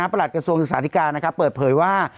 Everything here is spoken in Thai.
ประหลาดกระทรวงศึกษาธิกานะครับเปิดเผยว่า